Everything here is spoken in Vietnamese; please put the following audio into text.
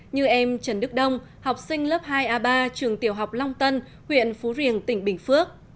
như em trần đức đông học sinh lớp hai a ba trường tiểu học long tân huyện phú riềng tỉnh bình phước